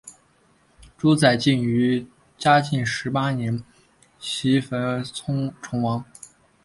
朱载境于嘉靖十八年袭封崇王。